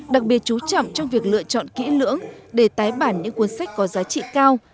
đặc biệt chú trọng trong việc lựa chọn kỹ lưỡng để tái bản những cuốn sách có giá trị cao